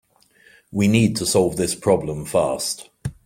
We need to solve this problem fast.